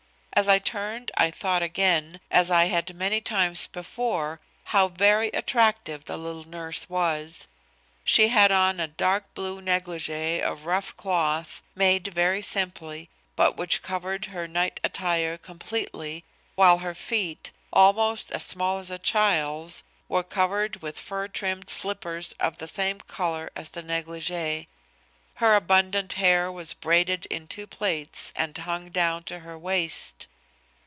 As I turned I thought again, as I had many times before, how very attractive the little nurse was. She had on a dark blue negligee of rough cloth, made very simply, but which covered her night attire completely, while her feet, almost as small as a child's, were covered with fur trimmed slippers of the same color as the negligee. Her abundant hair was braided in two plaits and hung down to her waist.